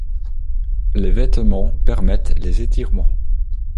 Les vêtements permettent les étirements.